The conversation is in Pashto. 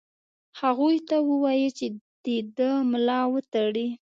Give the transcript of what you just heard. هغوی ته ووايی چې د ده ملا وتړي.